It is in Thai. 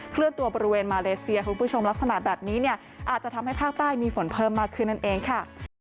เลื่อนตัวบริเวณมาเลเซียคุณผู้ชมลักษณะแบบนี้เนี่ยอาจจะทำให้ภาคใต้มีฝนเพิ่มมากขึ้นนั่นเองค่ะ